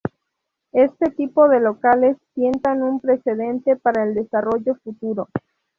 Este tipo de locales sientan un precedente para el desarrollo futuro.